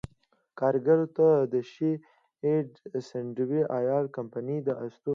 کاریکاتور ښيي چې سټنډرډ آیل کمپنۍ د اتو پښو لرونکې ده.